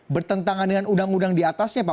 bertentangan dengan undang undang di atasnya pak